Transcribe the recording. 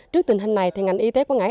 trước tình hình này ngành y tế quảng ngãi